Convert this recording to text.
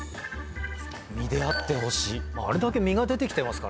実であってほしい。